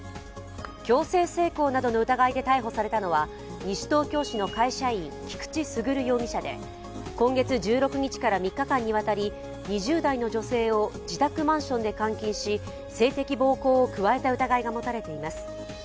強制性交などの疑いで逮捕されたのは、西東京市の会社員菊地優容疑者で今月１６日から３日間にわたり、２０代の女性を自宅マンションで監禁し性的暴行を加えた疑いが持たれています。